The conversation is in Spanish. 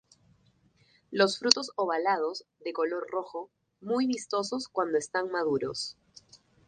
Los frutos ovalados, de color rojo, muy vistosos cuando están maduros.